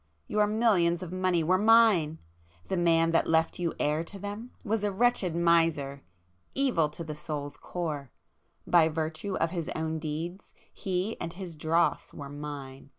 Your millions of money were [p 464] Mine!—the man that left you heir to them, was a wretched miser, evil to the soul's core! By virtue of his own deeds he and his dross were Mine!